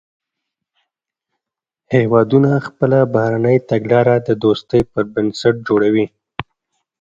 هیوادونه خپله بهرنۍ تګلاره د دوستۍ پر بنسټ جوړوي